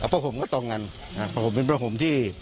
ผ่าห่มก็ตรงกันผ่าห่มเป็นผ่าห่มที่